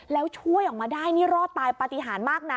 แล้วช่วยออกมาได้นี่รอดตายปฏิหารมากนะ